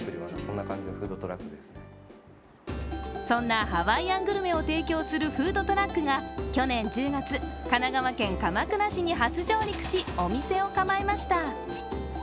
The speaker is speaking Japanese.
そんなハワイアングルメを提供するフードトラックが去年１０月、神奈川県鎌倉市に初上陸し、お店を構えました。